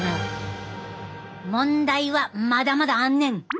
問題はまだまだあんねん！